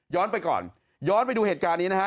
ไปก่อนย้อนไปดูเหตุการณ์นี้นะฮะ